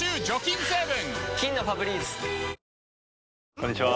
こんにちは。